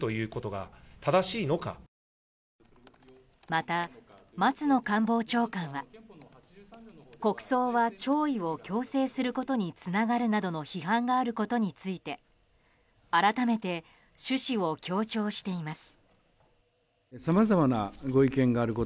また、松野官房長官は国葬は、弔意を強制することにつながるなどの批判があることについて改めて趣旨を強調しています。